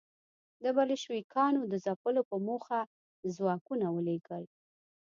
د بلشویکانو د ځپلو په موخه ځواکونه ولېږل.